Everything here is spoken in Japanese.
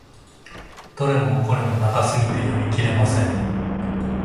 どれもこれも長すぎて読み切れません。